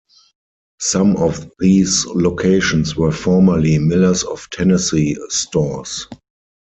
Some of these locations were formerly Miller's of Tennessee stores.